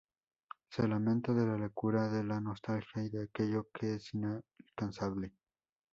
Se lamenta de la locura, de la nostalgia y de aquello que es inalcanzable.